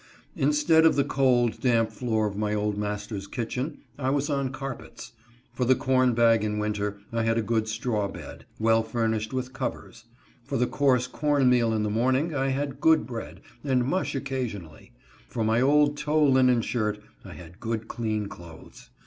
Instead of the cold, damp floor of my old master's kitchen, I was on carpets ; for the corn bag in winter, I had a good straw bed, well fur nished with covers ; for the coarse corn meal in the morn ing, I had good bread and mush occasionally ; for my old tow linen shirt, I had good clean clothes.